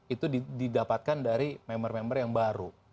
itu didapatkan dari member member yang baru